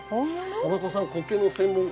◆田中さん、コケの専門家。